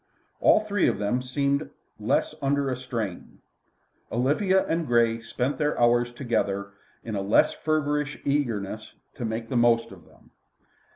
All three of them seemed less under a strain. Olivia and Grey spent their hours together in a less feverish eagerness to make the most of them.